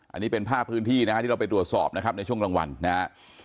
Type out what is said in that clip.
อันนี้เป็นภาพพื้นที่นะฮะที่เราไปตรวจสอบนะครับในช่วงกลางวันนะครับ